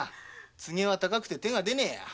ツゲは高くて手が出ねえや。